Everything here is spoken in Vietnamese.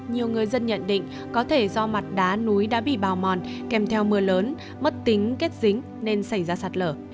nhiều người dân nhận định có thể do mặt đá núi đã bị bào mòn kèm theo mưa lớn mất tính kết dính nên xảy ra sạt lở